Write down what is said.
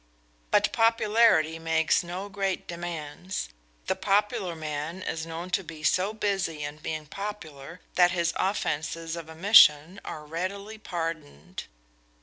But popularity makes no great demands. The popular man is known to be so busy in being popular that his offenses of omission are readily pardoned.